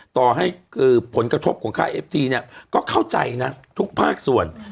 ต่อให้ผลกระทบของค่าเอฟทีเนี่ยก็เข้าใจนะทุกภาคส่วน